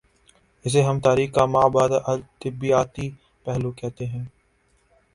اسے ہم تاریخ کا ما بعد الطبیعیاتی پہلو کہتے ہیں۔